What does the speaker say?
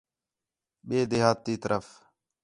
ٻئے دیہات تی طرف